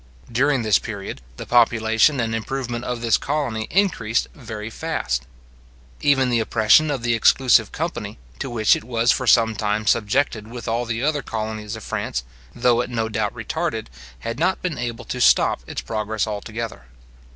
During this period, the population and improvement of this colony increased very fast. Even the oppression of the exclusive company, to which it was for some time subjected with all the other colonies of France, though it no doubt retarded, had not been able to stop its progress altogether.